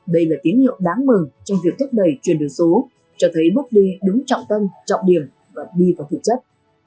đây là tín hiệu đáng mừng trong việc thúc đẩy chuyển đổi số cho thấy bước đi đúng trọng tâm trọng điểm và đi vào thực chất